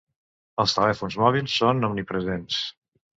Els telèfons mòbils són omnipresents.